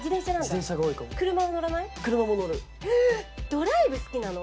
ドライブ好きなの。